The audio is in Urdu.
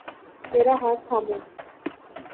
میرا ہاتھ تھامو۔